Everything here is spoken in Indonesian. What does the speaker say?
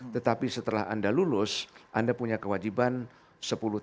tetapi setelah anda lulus anda punya kewajiban sepuluh tahun